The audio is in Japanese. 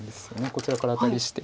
こちらからアタリして。